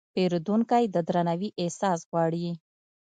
پیرودونکی د درناوي احساس غواړي.